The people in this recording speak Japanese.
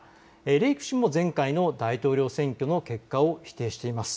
レイク氏も前回の大統領選挙の結果を否定しています。